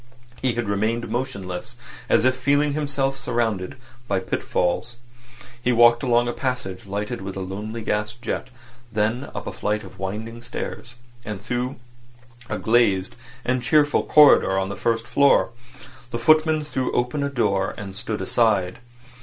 He had remained motionless, as if feeling himself surrounded by pitfalls. He walked along a passage lighted by a lonely gas jet, then up a flight of winding stairs, and through a glazed and cheerful corridor on the first floor. The footman threw open a door, and stood aside.